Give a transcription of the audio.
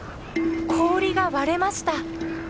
氷が割れました。